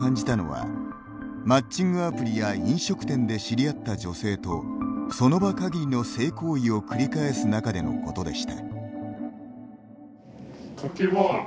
男性が体に異変を感じたのはマッチングアプリや飲食店で知り合った女性とその場かぎりの性行為を繰り返す中でのことでした。